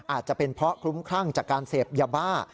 อาจจะเป็นเพราะคลุ้มคลั่งจากการเสพยาบ้า